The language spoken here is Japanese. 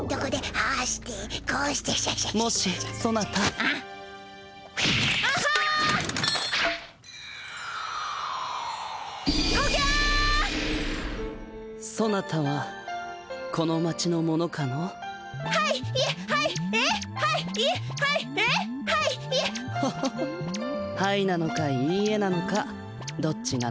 「はい」なのか「いいえ」なのかどっちなのかの？